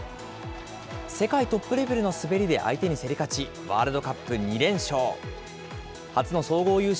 世界トップレベルの滑りで相手に競り勝ち、ワールドカップ２連勝。